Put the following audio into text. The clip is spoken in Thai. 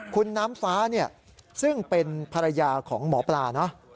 คุณน้ำฟ้าซึ่งเป็นภรรยาของหมอปลานะ